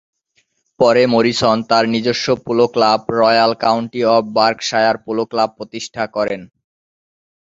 পরে মরিসন তার নিজস্ব polo club Royal County of Berkshire polo club প্রতিষ্ঠা করেন।